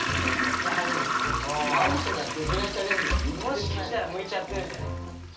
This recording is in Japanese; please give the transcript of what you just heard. もしかしたら向いちゃってるんじゃないかなって。